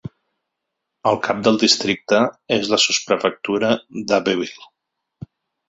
El cap del districte és la sotsprefectura d'Abbeville.